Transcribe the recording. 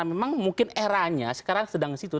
memang mungkin eranya sekarang sedang di situ